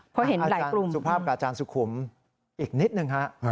เพราะเห็นอาจารย์สุภาพกับอาจารย์สุขุมอีกนิดนึงฮะ